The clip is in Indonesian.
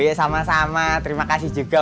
boleh sama sama terimakasih juga